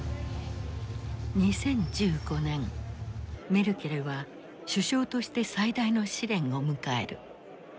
メルケルは首相として最大の試練を迎える。